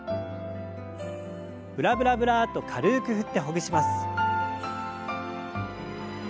ブラブラブラッと軽く振ってほぐします。